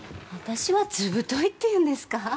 私は図太いって言うんですか？